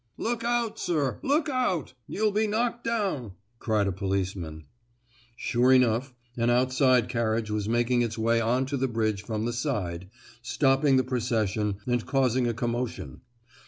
"Look out, sir, look out! You'll be knocked down!" cried a policeman. Sure enough, an outside carriage was making its way on to the bridge from the side, stopping the procession, and causing a commotion.